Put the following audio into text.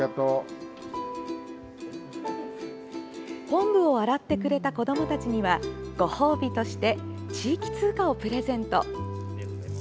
こんぶを洗ってくれた子どもたちには、ご褒美として地域通貨をプレゼント。